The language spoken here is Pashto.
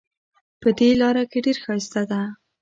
په دې لاره کې ډېر ښایست ده